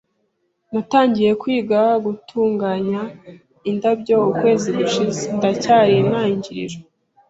Natangiye kwiga gutunganya indabyo ukwezi gushize, ndacyari intangiriro.